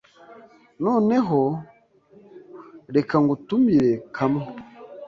Noneho reka ngutumire kamwe”